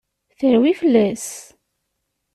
Terwi fell-as!